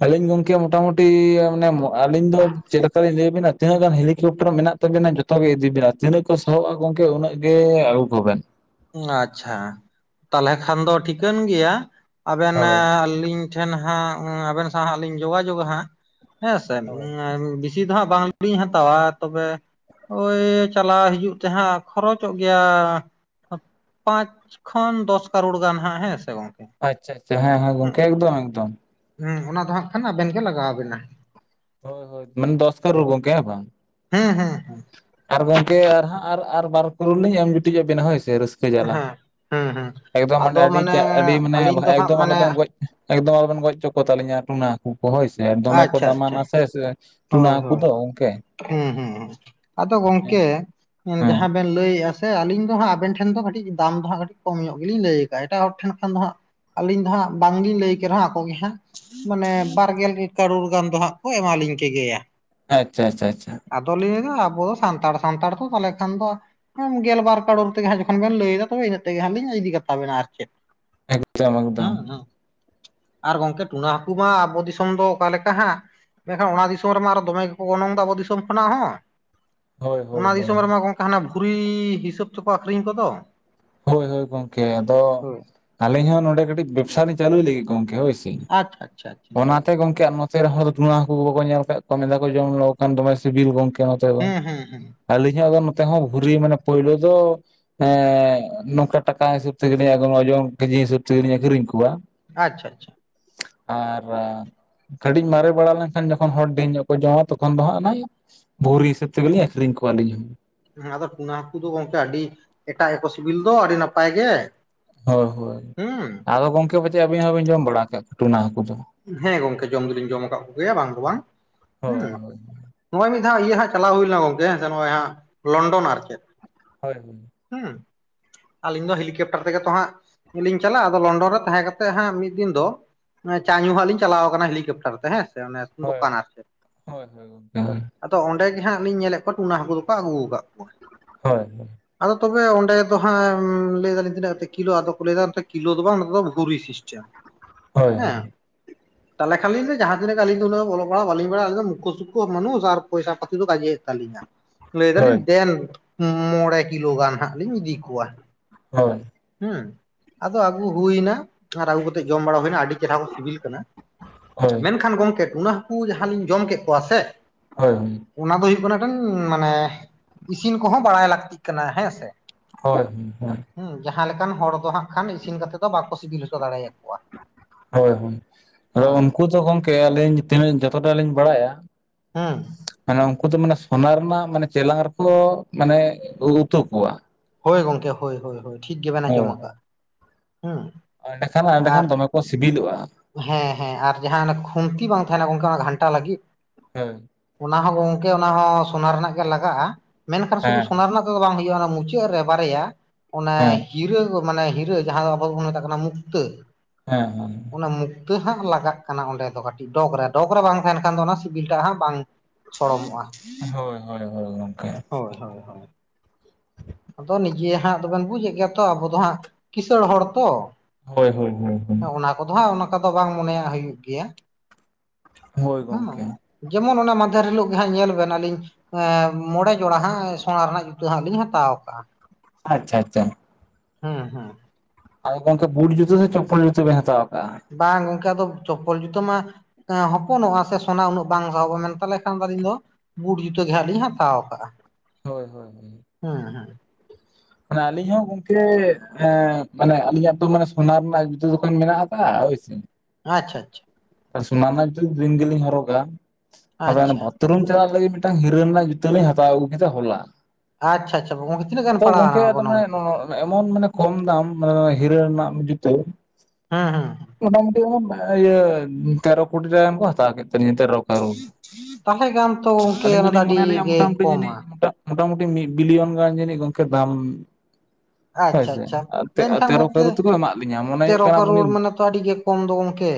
ᱟᱹᱞᱤᱧ ᱜᱚᱢᱠᱮ ᱢᱚᱴᱟᱢᱩᱴᱤ ᱢᱟᱱᱮ ᱟᱹᱞᱤᱧ ᱫᱚ ᱪᱮᱫ ᱞᱮᱠᱟᱞᱤᱧ ᱞᱟᱹᱭᱟᱵᱤᱱᱟ ᱛᱤᱱᱟᱹᱜ ᱜᱟᱱ ᱦᱮᱞᱤᱠᱯᱴᱟᱨ ᱢᱮᱱᱟᱜ ᱛᱟᱵᱮᱱᱟ ᱡᱚᱛᱚ ᱜᱮ ᱤᱫᱤ ᱵᱮᱱᱟ ᱛᱤᱱᱟᱹᱜ ᱠᱚ ᱥᱚᱦᱚᱜᱼᱟ ᱜᱚᱝᱠᱮ ᱩᱱᱟᱹᱜ ᱜᱮ ᱟᱹᱜᱩ ᱠᱚᱵᱮᱱ, ᱟᱪᱪᱷᱟ ᱛᱟᱦᱚᱞᱮ ᱠᱷᱟᱱ ᱫᱚ ᱴᱷᱤᱠᱟᱹᱱ ᱜᱮᱭᱟ ᱟᱵᱮᱱ ᱦᱳᱭ ᱟᱹᱞᱤᱧ, ᱴᱷᱮᱱ ᱦᱟᱸ ᱟᱵᱮᱱ ᱥᱟᱶ ᱦᱟᱜ ᱞᱤᱧ ᱡᱳᱜᱟᱡᱳᱜᱼᱟ ᱦᱟᱸᱜ ᱦᱮᱸᱥᱮ, ᱦᱳᱭ ᱵᱮᱥᱤ ᱫᱚᱦᱟᱸᱜ ᱵᱟᱝ ᱞᱤᱧ ᱦᱟᱛᱟᱣᱟ ᱛᱚᱵᱮ ᱳᱭ ᱪᱟᱞᱟᱣ ᱦᱤᱡᱩᱜ ᱡᱟᱦᱟ ᱠᱷᱚᱨᱚᱪᱚᱜ ᱜᱮᱭᱟ, ᱯᱟᱸᱪ ᱠᱷᱚᱱ ᱫᱚᱥ ᱠᱟᱨᱳᱲ ᱜᱟᱱ ᱦᱟᱸᱜ ᱦᱮᱸ ᱥᱮ ᱜᱚᱝᱠᱮ, ᱟᱪᱪᱷᱟ ᱟᱪᱷᱟ ᱦᱮᱸ ᱦᱮᱸ ᱜᱚᱝᱠᱮ ᱮᱠᱫᱚᱢ ᱮᱠᱫᱚᱢ, ᱦᱮᱸ ᱚᱱᱟ ᱫᱚ ᱦᱟᱜ ᱠᱷᱟᱱ ᱟᱵᱮᱱ ᱜᱮ ᱞᱟᱜᱟᱣᱵᱮᱱᱟ, ᱦᱳᱭ ᱦᱳᱭ ᱢᱟᱱᱮ ᱫᱚᱥ ᱠᱟᱨᱳᱲ ᱦᱮᱸ ᱵᱟᱝ ᱦᱮᱸ ᱦᱮᱸ ᱟᱨ ᱜᱚᱝᱠᱮ ᱟᱨ ᱟᱨ ᱵᱟᱨ ᱠᱟᱨᱚᱲ ᱞᱤᱧ ᱮᱢ ᱡᱩᱴᱤᱡ ᱟᱵᱮᱱᱟ ᱦᱳᱭᱥᱮ ᱨᱟᱹᱥᱠᱟᱹ ᱡᱟᱞᱟ ᱦᱮᱸ ᱦᱮᱸ ᱮᱠᱫᱚᱢ ᱢᱟᱱᱮ ᱟᱹᱰᱤ ᱟᱹᱰᱤ ᱢᱟᱱᱮ ᱟᱹᱞᱤᱧ ᱫᱚ ᱦᱟᱸᱜ ᱮᱠᱫᱚᱢ ᱢᱟᱱᱮ ᱟᱞᱚᱵᱮᱱ ᱜᱚᱡ ᱮᱠᱫᱚᱢ ᱟᱞᱚᱵᱮᱱ ᱜᱚᱡ ᱦᱚᱪᱚ ᱠᱚᱛᱟᱞᱤᱧᱟ ᱴᱩᱱᱟ ᱦᱟᱹᱠᱩ ᱠᱚ ᱦᱳᱭᱥᱮ ᱫᱚᱢᱮ ᱠᱚ ᱟᱪᱪᱷᱟ ᱟᱪᱪᱷᱟ ᱫᱟᱢᱟᱱᱟ ᱥᱮ ᱥᱮ ᱴᱩᱱᱟᱹ ᱦᱟᱠᱩ ᱫᱚ ᱜᱚᱝᱠᱮ, ᱦᱮᱸ ᱦᱮᱸ ᱟᱫᱚ ᱦᱮᱸ ᱜᱚᱝᱠᱮ ᱡᱟᱦᱟᱸ ᱵᱮᱱ ᱞᱟᱹᱭᱮᱫ, ᱦᱮᱥᱮ ᱟᱹᱞᱤᱧ ᱫᱚ ᱦᱟᱸᱜ ᱟᱵ ᱴᱷᱮᱱ ᱫᱚ ᱠᱟᱹᱴᱤᱡ ᱫᱟᱢ ᱫᱚᱦᱟᱸᱜ ᱠᱟᱹᱴᱤᱡ ᱠᱚᱢ ᱧᱚᱜ ᱜᱮᱞᱤᱧ ᱞᱟᱹᱭ ᱫᱟ ᱮᱴᱟᱜ ᱦᱚᱲ ᱴᱷᱮᱱ ᱠᱷᱟᱱ ᱫᱚ ᱦᱟᱸᱜ ᱟᱹᱞᱤᱧ ᱫᱚ ᱦᱟᱸᱜ ᱵᱟᱝᱞᱤᱧ ᱞᱟᱹᱭ ᱠᱮᱫ ᱨᱮᱦᱚᱸ ᱟᱠᱚ ᱜᱮ ᱦᱟᱸᱜ ᱢᱟᱱᱮ ᱵᱟᱨᱜᱮᱞ ᱠᱟᱨᱳᱲ ᱜᱟᱱ ᱫᱚ ᱦᱟᱸᱜ ᱠᱚ ᱮᱢᱟᱞᱤᱧ ᱠᱮᱜᱮᱭᱟ, ᱟᱪᱪᱷᱟ ᱟᱪᱷᱟ ᱟᱪᱪᱷᱟ ᱟᱫᱚ ᱞᱤᱧ ᱞᱟᱹᱭ ᱫᱟ ᱟᱵᱚ ᱥᱟᱱᱛᱟᱲ ᱥᱟᱱᱛᱟᱲ ᱛᱚ ᱛᱟᱦᱚᱞᱮ ᱠᱷᱟᱱ ᱫᱚ ᱜᱮᱞᱵᱟᱨ ᱠᱟᱨᱚᱨ ᱛᱮᱜᱮ ᱡᱚᱠᱷᱚᱱ ᱵᱮᱱ ᱞᱟᱹᱭᱫᱟ ᱛᱚᱵᱮ ᱤᱱᱟᱹᱜ ᱛᱮᱜᱮ ᱦᱟᱜ ᱞᱤᱧ ᱤᱫᱤ ᱠᱟᱛᱟ ᱵᱮᱱᱟ ᱟᱨ ᱪᱮᱫ, ᱮᱠᱫᱚᱢ ᱦᱮᱸ ᱮᱠᱫᱚᱢ ᱦᱮᱸ ᱟᱨ ᱜᱚᱝᱠᱮ ᱴᱩᱱᱟ ᱦᱟᱹᱠᱩ ᱢᱟ ᱟᱵᱚ ᱫᱤᱥᱚᱢ ᱫᱚ ᱚᱠᱟᱮ ᱞᱮᱠᱟ ᱦᱟᱸᱜ ᱢᱮᱱᱠᱷᱟᱱ ᱚᱱᱟ ᱫᱤᱥᱚᱢ ᱨᱮᱢᱟ ᱟᱨ ᱫᱚᱢᱮ ᱜᱮᱠᱚ ᱜᱚᱱᱚᱝᱫᱚ ᱟᱵᱚ ᱫᱤᱥᱚᱢ ᱠᱷᱚᱱᱟᱜ ᱦᱚᱸ ᱦᱳᱭ ᱦᱳᱭ ᱚᱱᱟ ᱦᱳᱭ ᱫᱤᱥᱚᱢ ᱨᱮᱢᱟ ᱜᱚᱝᱠᱮ ᱠᱟ ᱦᱟᱱᱟ ᱵᱷᱩᱨᱤ ᱦᱤᱥᱟᱹᱵ ᱛᱮᱠᱚ ᱟᱠᱷᱨᱤᱧ ᱠᱚᱫᱚ, ᱦᱳᱭ ᱦᱳᱭ ᱜᱚᱝᱠᱮ ᱟᱫᱚ ᱦᱳᱭ᱾ ᱟᱹᱞᱤᱧ ᱦᱚᱸ ᱱᱚᱰᱮ ᱠᱟᱹᱴᱤᱡ ᱵᱮᱵᱽᱥᱟ ᱞᱤᱧ ᱪᱟᱹᱞᱩᱭ ᱞᱟᱹᱜᱤᱫ ᱜᱚᱝᱠᱮ ᱦᱳᱭ ᱥᱮ ᱟᱪᱪᱷᱟ ᱟᱪᱪᱷᱟ ᱟᱪᱪᱷᱟ ᱚᱱᱟ ᱱᱚᱛᱮ ᱜᱚᱝᱠᱮ ᱟᱨ ᱱᱚᱛᱮ ᱨᱮᱦᱚᱸ ᱛᱷᱩᱛᱢᱟ. ᱦᱟᱠᱩ ᱵᱟᱠᱚ ᱧᱮᱞ ᱟᱠᱟᱫ ᱠᱚᱣᱟ ᱢᱮᱱᱮᱫᱟ ᱠᱚ ᱡᱚᱢ ᱞᱮᱠᱚ ᱠᱟᱱ ᱫᱚᱢᱮ ᱥᱤᱵᱤᱞ ᱜᱚᱝᱠᱮ, ᱠᱮ ᱱᱚᱛᱮ ᱫᱚ ᱦᱮᱸ ᱦᱮᱸ ᱦᱮᱸ ᱟᱹᱞᱤᱧ ᱦᱚ ᱱᱚᱛᱮ ᱦᱚᱸ ᱵᱷᱚᱨᱤ ᱢᱟᱱᱮ ᱯᱳᱭᱞᱳ ᱫᱚ ᱮ, ᱱᱚᱝᱠᱟ ᱴᱟᱠᱟ ᱦᱤᱥᱟᱹᱵ ᱛᱮᱜᱮᱞᱤᱧ ᱳᱡᱳᱱ ᱠᱮᱡᱤ ᱦᱤᱥᱟᱹᱵ ᱛᱮᱜᱮᱞᱤᱧ ᱟᱠᱷᱨᱤᱧ ᱠᱚᱣᱟ, ᱟᱪᱪᱷᱟ ᱟᱪᱪᱷᱟ ᱟᱨ ᱠᱟᱹᱴᱤᱡ ᱢᱟᱨᱮ ᱵᱟᱲᱟ ᱞᱮᱱᱠᱷᱟᱱ ᱡᱚᱠᱷᱚᱱ ᱦᱚᱲ ᱰᱷᱮᱨ ᱧᱚᱜ ᱠᱚ ᱡᱚᱢᱟ ᱛᱚᱠᱷᱚᱱ ᱫᱚ ᱦᱟᱸᱜ, ᱵᱷᱩᱨᱤ ᱦᱤᱥᱟᱹᱵᱽ ᱛᱮᱜᱮᱞᱤᱧ ᱟᱹᱠᱷᱨᱤᱧ ᱠᱚᱣᱟ ᱟᱞᱤᱧ ᱦᱚᱸ᱾ ᱦᱮᱸ ᱟᱫᱚ ᱴᱩᱱᱟ ᱦᱟᱹᱠᱩ ᱫᱚ ᱜᱚᱢᱠᱮ ᱟᱹᱰᱤ ᱮᱴᱟᱜ ᱜᱮᱠᱚ ᱥᱤᱵᱤᱞ ᱫᱚ, ᱟᱹᱰᱤ ᱱᱟᱯᱟᱭ ᱜᱮ᱾ ᱦᱳᱭ ᱦᱳᱭ, ᱦᱩᱸ ᱟᱫᱚ ᱜᱚᱢᱠᱮ ᱯᱟᱪᱮᱜ ᱟᱹᱵᱤᱱ ᱦᱚᱸᱵᱤᱱ ᱡᱚᱢ ᱵᱟᱲᱟ ᱠᱟᱜ ᱴᱩᱱᱟ ᱦᱟᱹᱠᱩ ᱫᱚ? ᱦᱮᱸ ᱜᱚᱢᱠᱮ ᱡᱚᱢ ᱫᱚᱞᱤᱧ ᱡᱚᱢᱼᱟᱠᱟᱜ ᱠᱚᱜᱮᱭᱟ ᱵᱟᱝ ᱫᱚ ᱵᱟᱝ ᱦᱮᱸ᱾ ᱦᱳᱭ ᱦᱳᱭ ᱱᱚᱜᱼᱚᱭ ᱢᱤᱫ ᱫᱷᱟᱣ ᱤᱭᱟᱹ ᱦᱟᱸᱜ ᱪᱟᱞᱟᱣ ᱦᱩᱭ ᱞᱮᱱᱟ ᱜᱚᱢᱠᱮ ᱦᱮᱸᱥᱮ ᱱᱚᱜᱼᱚᱭ ᱦᱟᱸᱜ, ᱞᱚᱱᱰᱚᱱ ᱟᱨ ᱪᱮᱫ? ᱦᱳᱭᱼᱦᱳᱭ᱾ ᱦᱩᱸ᱾ ᱟᱹᱞᱤᱧ ᱫᱚ ᱦᱮᱞᱤᱠᱮᱯᱴᱟᱨ ᱛᱮᱜᱮ ᱛᱚ ᱦᱟᱸᱜ, ᱞᱤᱧ ᱪᱟᱞᱟᱜᱼᱟ ᱟᱫᱚ ᱞᱚᱱᱰᱚᱱ ᱨᱮ ᱛᱟᱦᱮᱸ ᱠᱟᱛᱮᱜ ᱦᱟᱸᱜ ᱢᱤᱫ ᱫᱤᱱ ᱫᱚ ᱚᱱᱮ ᱪᱟ ᱧᱩ ᱦᱟᱸᱜ ᱞᱤᱧ ᱪᱟᱞᱟᱣ ᱠᱟᱱᱟ ᱦᱮᱞᱤᱠᱮᱯᱴᱟᱨ ᱛᱮ, ᱦᱮᱸᱥᱮ ᱚᱱᱮ ᱦᱳᱭ ᱦᱳᱭ ᱫᱚᱠᱟᱱ ᱟᱨ ᱪᱮᱫ? ᱦᱳᱭ ᱦᱳᱭ ᱜᱚᱝᱠᱮ ᱦᱳᱭ ᱟᱫᱚ ᱚᱸᱰᱮ ᱜᱮ ᱦᱟᱸᱜ ᱞᱤᱧ ᱧᱮᱞᱮᱜ ᱠᱚᱣᱟ ᱴᱩᱱᱟ ᱦᱟᱹᱠᱩ ᱫᱚᱠᱚ ᱟᱹᱜᱩ ᱠᱟᱜ ᱠᱚᱣᱟ᱾ ᱦᱳᱭ ᱦᱳᱭ᱾ ᱟᱫᱚ ᱛᱚᱵᱮ ᱚᱸᱰᱮ ᱫᱚ ᱦᱟᱸᱜ ᱞᱟᱹᱭ ᱫᱟᱹᱞᱤᱧ ᱛᱤᱱᱟᱹᱜ‌ ᱟᱛᱮ ᱠᱤᱞᱳ? ᱟᱫᱚ ᱠᱚ ᱞᱮᱭᱼᱫᱟ ᱱᱚᱛᱮ ᱠᱤᱞᱳ ᱫᱚ ᱵᱟᱝ ᱱᱚᱛᱮ ᱫᱚ ᱵᱷᱩᱨ ᱥᱤᱥ ᱪᱟ ᱦᱳᱭ ᱦᱳᱭ ᱦᱳᱭ ᱦᱮᱸ, ᱛᱟᱦᱚᱞᱮ ᱠᱷᱟᱱᱞᱤᱧ ᱞᱮ ᱡᱟᱦᱟᱸ ᱛᱤᱱᱟᱹᱜ ᱜᱮ ᱟᱞᱤᱧ ᱫᱚ ᱩᱱᱟᱹᱜ ᱚᱞᱚᱜ ᱯᱟᱲᱟᱜ ᱵᱟᱹᱞᱤᱧ ᱵᱟᱰᱟᱭᱟ, ᱟᱞᱤᱧ ᱫᱚ ᱢᱩᱠᱠᱷᱚᱼᱥᱩᱠᱠᱷᱚ ᱢᱟᱱᱩᱥ ᱟᱨ ᱯᱚᱭᱥᱟ ᱯᱟᱛᱤ ᱫᱚ ᱠᱟᱡᱮ ᱛᱟᱞᱤᱧ᱾ ᱞᱟᱹᱭ ᱦᱳᱭ ᱫᱟᱞᱤᱧ ᱫᱮᱱ ᱢᱚᱬᱮ ᱠᱤᱞᱳ ᱜᱟᱱ ᱦᱟᱸᱜ ᱞᱤᱧ ᱤᱫᱤ ᱠᱚᱣᱟ᱾ ᱦᱳᱭ᱾ ᱦᱩᱸ᱾ ᱟᱫᱚ ᱟᱹᱜᱩ ᱦᱩᱭᱱᱟ, ᱟᱨ ᱟᱹᱜᱩ ᱠᱟᱛᱮᱫ ᱡᱚᱢ ᱵᱟᱲᱟ ᱦᱩᱭᱱᱟ ᱟᱹᱰᱤ ᱪᱮᱨᱦᱟ ᱠᱚ ᱥᱤᱵᱤᱞ ᱠᱟᱱᱟ᱾ ᱢᱮᱱᱠᱷᱟᱱ ᱜᱚᱢᱠᱮ ᱴᱩᱱᱟᱹ ᱦᱟᱹᱠᱩ ᱡᱟᱦᱟᱸ ᱞᱤᱧ ᱡᱚᱢ ᱠᱮᱫ ᱠᱚᱣᱟ ᱥᱮ ᱦᱳᱭ᱾ ᱚᱱᱟ ᱫᱚ ᱦᱩᱭᱩᱜ ᱠᱟᱱᱟ ᱴᱮᱱ ᱢᱟᱱᱮ, ᱤᱥᱤᱱ ᱠᱚᱦᱚᱸ ᱵᱟᱰᱟᱭ ᱞᱟᱹᱠᱛᱤᱜ ᱠᱟᱱᱟ ᱦᱮᱸᱼᱥᱮ᱾ ᱦᱳᱭ ᱦᱩᱸ᱾ ᱦᱩᱸ ᱡᱟᱦᱟᱸ ᱞᱮᱠᱟᱱ ᱦᱚᱲ ᱫᱚ ᱦᱟᱸᱜ ᱠᱷᱟᱱ ᱤᱥᱤᱱ ᱠᱟᱛᱮ ᱫᱚ ᱵᱟᱠᱚ ᱥᱤᱵᱤᱞ ᱦᱚᱪᱚ ᱫᱟᱲᱮᱭᱟᱠᱚᱣᱟ᱾ ᱦᱳᱭ ᱦᱳᱭ, ᱟᱫᱚ ᱦᱮᱸ ᱩᱱᱠᱩ ᱫᱚ ᱜᱚᱢᱠᱮ ᱟᱹᱞᱤᱧ ᱛᱤᱱᱟᱹᱜ ᱡᱚᱛᱚᱴᱟᱞᱤᱧ ᱵᱟᱰᱟᱭᱟ ᱦᱮᱸ᱾ ᱢᱟᱱᱮ ᱩᱱᱠᱩ ᱫᱚ ᱢᱟᱱᱮ ᱥᱚᱱᱟ ᱨᱮᱱᱟᱜ ᱢᱟᱱᱮ ᱪᱮᱞᱟᱝ ᱨᱮᱠᱚ, ᱢᱟᱱᱮ ᱩᱛᱩ ᱠᱚᱣᱟ᱾ ᱦᱳᱭ ᱜᱚᱢᱠᱮ ᱦᱳᱭ ᱦᱳᱭ ᱦᱳᱭ, ᱴᱷᱤᱠ ᱜᱮᱵᱮᱱ ᱟᱸᱡᱚᱢ ᱟᱠᱟᱜᱼᱟ ᱦᱩᱸ᱾ ᱚᱸᱰᱮᱠᱷᱟᱱ ᱟᱨ ᱚᱸᱰᱮᱠᱷᱟᱱ ᱫᱚᱢᱮ ᱠᱚ ᱥᱤᱵᱤᱞᱚᱜᱼᱟ, ᱦᱮᱸ ᱦᱮᱸ ᱟᱨ ᱡᱟᱦᱟᱸ ᱚᱱᱮ ᱠᱷᱩᱱᱛᱤ ᱵᱟᱝ ᱛᱟᱦᱮᱱᱟ ᱜᱚᱢᱠᱮ ᱚᱱᱟ ᱜᱷᱟᱱᱴᱟ ᱞᱟᱹᱜᱤᱛ? ᱦᱮᱸ, ᱚᱱᱟ ᱦᱚᱸ ᱜᱚᱢᱠᱮ ᱚᱱᱟ ᱦᱚᱸ ᱥᱚᱱᱟ ᱨᱮᱱᱟᱜ ᱜᱮ ᱞᱟᱜᱟᱜᱼᱟ, ᱢᱮᱱᱠᱷᱟᱱ ᱥᱩᱫᱷᱩ ᱦᱮᱸ ᱥᱚᱱᱟ ᱨᱮᱱᱟᱜ ᱫᱚ ᱵᱟᱝ ᱦᱩᱭᱩᱜᱼᱟ, ᱚᱱᱟ ᱢᱩᱪᱟᱹᱫ ᱨᱮ ᱵᱟᱨᱮᱭᱟ ᱚᱱᱮ ᱦᱮᱸ ᱜᱤᱨᱟᱹ ᱫᱚ ᱢᱟᱱᱮ ᱦᱤᱨᱟᱹ ᱡᱟᱦᱟᱸ ᱫᱚ ᱟᱵᱚ ᱫᱚᱵᱚᱱ ᱢᱮᱛᱟᱜ ᱠᱟᱱᱟ ᱢᱩᱠᱛᱟᱹ᱾ ᱦᱮᱸ ᱦᱮᱸ᱾ ᱚᱱᱟ ᱢᱩᱠᱛᱟᱹ ᱦᱟᱸᱜ ᱞᱟᱜᱟᱜ ᱠᱟᱱᱟ ᱚᱸᱰᱮ ᱫᱚ ᱠᱟᱹᱴᱤᱡ ᱰᱚᱜᱽ ᱨᱮ, ᱰᱚᱜᱽ ᱨᱮ ᱵᱟᱝ ᱛᱟᱦᱮᱱ ᱠᱷᱟᱱ ᱫᱚ ᱚᱱᱟ ᱥᱤᱵᱤᱞᱴᱟᱜ ᱦᱟᱸᱜ ᱵᱟᱝ ᱥᱚᱲᱚᱢᱚᱜᱼᱟ᱾ ᱦᱳᱭ ᱦᱳᱭ ᱦᱳᱭ ᱜᱚᱢ ᱦᱳᱭ ᱦᱳᱭ ᱦᱳᱭ᱾ ᱟᱫᱚ ᱱᱤᱡᱮ ᱦᱟᱸᱜ ᱫᱚᱵᱮᱱ ᱵᱩᱡᱮᱜ ᱜᱮᱭᱟ ᱛᱚ, ᱟᱵᱚ ᱫᱚ ᱦᱟᱸᱜ ᱠᱤᱥᱟᱹᱲ ᱦᱚᱲ ᱛᱚ᱾ ᱦᱳᱭ ᱦᱳᱭ ᱦᱳᱭ ᱦᱳᱭ᱾ ᱟᱫᱚ ᱦᱟᱸ ᱚᱱᱠᱟ ᱫᱚ ᱵᱟᱝ ᱢᱚᱱᱮᱭᱟ ᱦᱩᱭᱩᱜ ᱜᱮᱭᱟ ᱦᱳᱭ ᱦᱮᱸ᱾ ᱜᱚᱝᱠᱮ ᱡᱮᱢᱚᱱ ᱚᱱᱟ ᱢᱟᱫᱷᱮᱨ ᱦᱤᱞᱳᱜ ᱜᱮ ᱦᱟᱸᱜ ᱧᱮᱞ ᱵᱮᱱ ᱟᱹᱞᱤᱧ ᱮᱸ ᱢᱚᱬᱮ ᱡᱚᱲᱟ ᱦᱟᱸᱜ, ᱥᱳᱱᱟ ᱨᱮᱱᱟᱜ ᱡᱩᱛᱟᱹ ᱦᱟᱸᱜ ᱞᱤᱧ ᱦᱟᱛᱟᱣ ᱠᱟᱜᱼᱟ᱾ ᱟᱪᱪᱷᱟ ᱟᱪᱪᱷᱟ᱾ ᱦᱩᱸᱼᱦᱩᱸ᱾ ᱟᱫᱚ ᱜᱚᱢᱠᱮ ᱵᱩᱴ ᱡᱩᱛᱟᱹ ᱥᱮ, ᱪᱚᱯᱯᱚᱞ ᱡᱩᱛᱟᱹ ᱵᱮᱱ ᱦᱟᱛᱟᱣ ᱠᱟᱜᱼᱟ? ᱵᱟᱝ ᱜᱚᱢᱠᱮ ᱟᱫᱚ, ᱪᱚᱯᱯᱚᱞ ᱡᱩᱛᱟᱹ ᱢᱟ ᱮᱸ ᱦᱚᱯᱚᱱᱚᱜᱼᱟ ᱥᱮ ᱥᱚᱱᱟ ᱩᱱᱟᱹᱜ ᱵᱟᱝ ᱥᱟᱦᱚᱵᱚᱜᱼᱟ, ᱢᱮᱱ ᱛᱟᱦᱚᱞᱮ ᱠᱷᱟᱱ ᱫᱚ ᱟᱹᱞᱤᱧ ᱫᱚ ᱵᱩᱴ ᱡᱩᱛᱟᱹ ᱜᱮ ᱦᱟᱸᱜ ᱞᱤᱧ ᱦᱟᱛᱟᱣ ᱠᱟᱜᱼᱟ᱾ ᱦᱳᱭ, ᱦᱳᱭ, ᱦᱳᱭ ᱦᱩᱸ ᱦᱩᱸ, ᱢᱟᱱᱮ ᱟᱹᱞᱤᱧ ᱦᱚᱸ ᱜᱚᱝᱠᱮ ᱮᱸ ᱢᱟᱱᱮ ᱟᱞᱤᱧᱟᱜ ᱛᱚ ᱢᱟᱱᱮ ᱥᱚᱱᱟ ᱨᱮᱱᱟᱜ ᱡᱩᱛᱟᱹ ᱫᱚᱠᱷᱚᱱ ᱢᱮᱱᱟᱜᱠᱟᱜ ᱟ ᱦᱳᱭ ᱥᱮ, ᱟᱪᱪᱷᱟ ᱟᱪᱪᱷᱟ, ᱥᱳᱱᱟ ᱨᱮᱱᱟᱜ ᱡᱩ ᱫᱤᱱ ᱜᱮᱞᱤᱧ ᱦᱚᱨᱚᱜᱟ ᱟᱫ ᱚᱱᱟ ᱟᱪᱪᱷᱟ ᱵᱷᱟ ᱛᱩᱨᱩᱢ ᱪᱟᱞᱟᱜ ᱞᱟᱹᱜᱤᱫ ᱢᱤᱫᱴᱟᱝ ᱦᱤᱨᱟᱹ ᱨᱮᱱᱟᱜ ᱡᱩᱛᱟᱹᱞᱤᱧ ᱦᱟᱛᱟᱣ ᱟᱹᱜᱩ ᱠᱮᱫᱟ ᱦᱚᱞᱟ᱾ ᱟᱪᱪᱷᱟ ᱟᱪᱪᱷᱟ, ᱵᱚ ᱛᱤᱱᱟᱹᱜ ᱜᱟᱱ ᱟᱫᱚ ᱜᱚᱝᱠᱮ ᱯᱟᱲᱟᱣᱱᱟ ᱟᱫᱚ ᱜᱚᱱᱚᱝ? ᱢᱟᱱᱮ ᱮᱢᱚᱱ ᱢᱟᱱᱮ ᱠᱚᱢ ᱫᱟᱢ, ᱢᱟᱱᱮ ᱦᱤᱨᱟᱹ ᱨᱮᱱᱟᱜ ᱢᱟ ᱡᱩᱛᱟᱹ᱾ ᱦᱩᱸ ᱦᱩᱸ, ᱢᱚᱴᱟᱢᱩᱴᱤ ᱚᱱᱟ ᱤᱭᱟᱹ ᱛᱮᱨᱚ ᱠᱳᱴᱤᱴᱟᱠᱟ ᱜᱟᱱ ᱠᱚ ᱦᱟᱛᱟᱣ ᱠᱮᱫ ᱛᱟᱹᱞᱤᱧᱟ ᱛᱮᱨᱚ, ᱠᱟᱨᱩᱲ ᱛᱟᱦᱚᱞᱮ ᱜᱟᱱ ᱛᱚ ᱜᱚᱝᱠᱮ ᱟᱹᱞᱤᱧ ᱚᱱᱟ ᱫᱚ ᱫᱚᱞᱤᱧ ᱟᱹᱰᱤ ᱢᱚᱱᱮ ᱞᱮᱜᱟ ᱜᱮ ᱢᱚᱴᱟᱢᱩᱴᱤ ᱡᱟᱹᱱᱤᱡ ᱠᱚᱢᱟ ᱢᱚᱴᱟ ᱢᱚᱴᱟᱢᱩᱴᱤ ᱢᱤᱫ ᱵᱤᱞᱤᱭᱚᱱ ᱜᱟᱱ ᱡᱟᱱᱤᱡ ᱜᱚᱢᱠᱮ ᱫᱟᱢ, ᱟᱪᱪᱷᱟ ᱦᱳᱭᱥᱮ ᱟᱪᱪᱷᱟ ᱢᱮᱱᱠᱷᱟᱱ ᱛᱮᱨᱚ ᱠᱟᱹᱨᱩ ᱜᱚᱝᱠᱮ ᱛᱮᱠᱚ ᱮᱢᱟᱜ ᱞᱤᱧᱟᱹ ᱢᱚᱱᱮ ᱦᱩᱭᱩᱜ ᱛᱮᱨᱚ ᱠᱟᱱᱟ ᱩᱱᱤ ᱠᱟᱨᱳᱲ ᱢᱟᱱᱮ ᱛᱚ ᱟᱹᱰᱤ ᱜᱮ ᱠᱚᱢ ᱫᱚ ᱜᱚᱝᱠᱮ,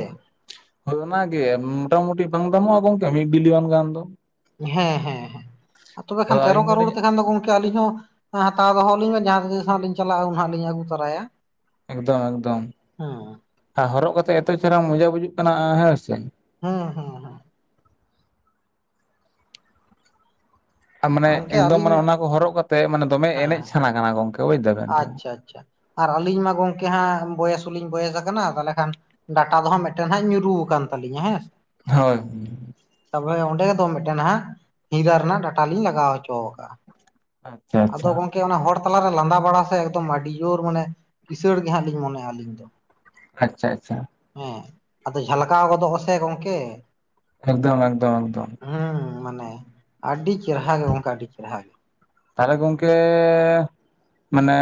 ᱦᱳᱭ ᱚᱱᱟᱜᱮ, ᱢᱚᱴᱟᱢᱩᱴᱤ ᱵᱟᱝ ᱫᱟᱢᱚᱜᱼᱟ ᱜᱚᱝᱠᱮ ᱢᱤᱫ ᱵᱤᱞᱤᱭᱚᱱ ᱜᱟᱱ ᱫᱚ? ᱦᱮᱸ ᱦᱮᱸ ᱦᱮᱸ, ᱛᱚᱵᱮ ᱠᱷᱟᱱ ᱛᱮᱨᱚ ᱟᱹᱞᱤᱧ ᱠᱟᱨᱳᱲ ᱫᱚᱞᱤᱧ ᱛᱮᱠᱷᱟᱱ ᱫᱚ ᱜᱚᱝᱠᱮ, ᱠᱮ ᱟᱹᱞᱤᱧ ᱦᱚᱸ ᱦᱟᱛᱟᱣ ᱫᱚᱦᱚ ᱟᱹᱞᱤᱧ ᱢᱮ ᱡᱟᱦᱟᱸ ᱛᱤᱥ ᱦᱟᱜ ᱞᱤᱧ ᱪᱟᱞᱟᱜᱼᱟ᱾ ᱩᱱ ᱦᱟᱜ ᱞᱤᱧ ᱟᱹᱜᱩ ᱛᱟᱨᱟᱭᱟ᱾ ᱮᱠᱫᱚᱢ ᱮᱠᱫᱚᱢ, ᱟᱨ ᱦᱚᱨᱚᱜ ᱠᱟᱛᱮ ᱮᱛᱚ ᱪᱮᱦᱨᱟ ᱢᱚᱡᱟ ᱵᱩᱡᱩᱜ ᱠᱟᱱᱟ ᱦᱮᱸ ᱥᱮ, ᱦᱩᱸ ᱦᱩᱸ, ᱢᱟᱱᱮ ᱜᱚᱝᱠᱮ ᱮᱠᱫᱚᱢ ᱢᱟᱱᱮ ᱟᱹᱞᱤᱧ ᱚᱱᱟ ᱠᱚ ᱦᱚᱨᱚᱜ ᱠᱟᱛᱮ ᱢᱟᱱᱮ, ᱫᱚᱢᱮ ᱮᱱᱮᱡ ᱦᱮᱸ ᱥᱟᱱᱟ ᱠᱟᱱᱟ ᱜᱚᱝᱠᱮ᱾ ᱵᱩᱡ ᱫᱟᱵᱮᱱ ᱛᱚ ᱟᱪᱪᱷᱟ ᱟᱪᱪᱷᱟ, ᱟᱨ ᱟᱹᱞᱤᱧ ᱢᱟ ᱜᱚᱝᱠᱮ ᱦᱟᱸᱜ ᱵᱚᱭᱮᱥ ᱦᱚᱸᱞᱤᱧ ᱵᱚᱭᱮᱥ ᱟᱠᱟᱱᱟ, ᱛᱟᱦᱚᱞᱮ ᱠᱷᱟᱱ ᱰᱟᱴᱟ ᱫᱚ ᱦᱟᱸᱜ ᱢᱮᱫᱴᱮᱱ ᱦᱟᱸᱜ ᱧᱩᱨᱩ ᱠᱟᱱ ᱛᱟᱹᱞᱤᱧᱟ ᱦᱮᱸ ᱥᱮ, ᱦᱳᱭ, ᱛᱚᱵᱮ ᱚᱸᱰᱮ ᱫᱚ ᱢᱤᱫᱴᱮᱱ ᱦᱟᱜ, ᱦᱤᱨᱟᱹ ᱨᱮᱱᱟᱜ ᱰᱟᱴᱟ ᱞᱤᱧ ᱞᱟᱜᱟᱣ ᱦᱚᱪᱚ ᱠᱟᱜᱼᱟ᱾ ᱟᱪᱪᱷᱟ ᱟᱫᱚ ᱟᱪᱪᱷᱟ ᱜᱚᱝᱠᱮ ᱚᱱᱟ ᱦᱚᱲ ᱛᱟᱞᱟᱨᱮ ᱞᱟᱸᱫᱟ ᱵᱟᱲᱟ ᱥᱮ, ᱮᱠᱫᱚᱢ ᱟᱹᱰᱤ ᱡᱳᱨ ᱢᱟᱱᱮ ᱠᱤᱥᱟᱬ ᱜᱮ ᱦᱟᱸᱜ ᱞᱤᱧ ᱢᱚᱱᱮᱜᱼᱟ ᱟᱹᱞᱤᱧ ᱫᱚ᱾ ᱟᱪᱪᱷᱟ, ᱟᱪᱪᱷᱟ ᱦᱮᱸ, ᱟᱫᱚ ᱡᱷᱟᱞᱠᱟᱣ ᱜᱚᱫᱚᱜ ᱟᱥᱮ ᱜᱚᱝᱠᱮ᱾ ᱮᱠᱫᱚᱢ ᱮᱠᱫᱚᱢ, ᱮᱠᱫᱚᱢ᱾ ᱦᱩᱸ ᱢᱟᱱᱮ, ᱟᱹᱰᱤ ᱪᱮᱦᱨᱟ ᱜᱮ ᱜᱟᱝᱠᱮ, ᱟᱹᱰᱤ ᱪᱮᱦᱨᱟ ᱜᱮ᱾ ᱛᱟᱦᱚᱞᱮ ᱜᱚᱝᱠᱮ ᱢᱟᱱᱮ,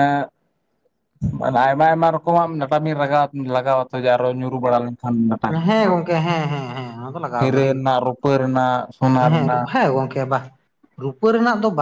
ᱢᱟᱱᱮ ᱟᱭᱢᱟ ᱟᱭᱢᱟ ᱨᱚᱠᱚᱢᱟᱜ ᱱᱟᱴᱟ ᱵᱤᱱ ᱞᱟᱜᱟᱣ ᱞᱟᱜᱟᱣᱟᱛᱚ ᱡᱮ, ᱟᱨᱚ ᱧᱩᱨᱩ ᱵᱟᱲᱟ ᱞᱮᱱ ᱠᱷᱟᱱ ᱰᱟᱴᱟ ᱦᱮᱸ ᱠᱚ ᱜᱚᱝᱠᱮ ᱦᱮᱸ ᱦᱮᱸ ᱦᱮᱸ ᱚᱱᱟ ᱫᱚ ᱞᱟᱜᱟᱣ ᱜᱮ ᱦᱤᱨᱟᱹ ᱦᱩᱭᱩᱜᱼᱟ ᱨᱮᱱᱟᱜ ᱨᱩᱯᱟᱹ ᱨᱮᱱᱟᱜ᱾ ᱥᱚᱱᱟ ᱦᱮᱸ ᱨᱮᱱᱟᱜ ᱦᱮᱸ ᱜᱚᱝᱠᱮ ᱵᱟ, ᱨᱩᱯᱟᱹ ᱨᱮᱱᱟᱜ ᱫᱚ ᱵᱟ᱾